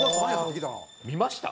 見ました？